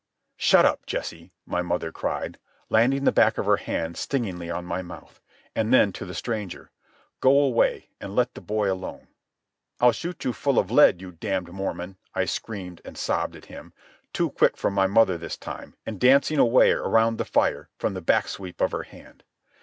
"Shut up, Jesse!" my mother cried, landing the back of her hand stingingly on my mouth. And then, to the stranger, "Go away and let the boy alone." "I'll shoot you full of lead, you damned Mormon!" I screamed and sobbed at him, too quick for my mother this time, and dancing away around the fire from the back sweep of her hand.